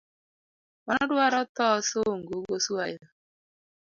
Mano dwaro tho sungu goswayo